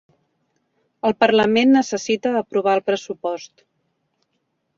El parlament necessita aprovar el pressupost